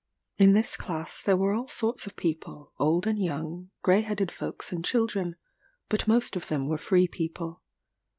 In this class there were all sorts of people, old and young, grey headed folks and children; but most of them were free people.